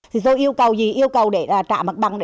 thì tôi yêu cầu gì yêu cầu để trả mặt bằng để cho dân chúng tôi